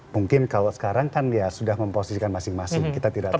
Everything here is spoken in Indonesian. mungkin kalau sekarang kan ya sudah memposisikan masing masing kita tidak tahu